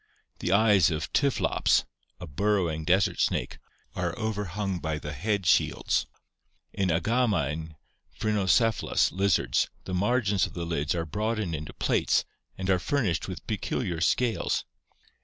The eyes of Typklops [a bur rowing desert snake] are overhung by the head shields. In Agama and Phrynocephalus [lizards] the margins of the lids are broadened into plates and are furnished with peculiar scales.